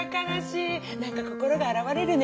何か心があらわれるね。